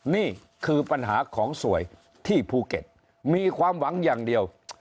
นี่คือปัญหาของสวยที่ภูเก็ตมีความหวังอย่างเดียว